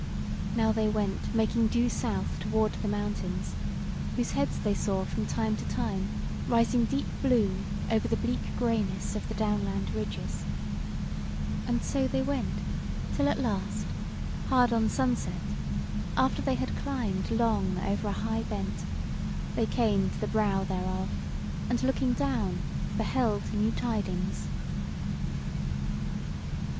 Now they went making due south toward the mountains, whose heads they saw from time to time rising deep blue over the bleak greyness of the down land ridges. And so they went, till at last, hard on sunset, after they had climbed long over a high bent, they came to the brow thereof, and, looking down, beheld new tidings.